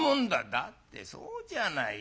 「だってそうじゃないか。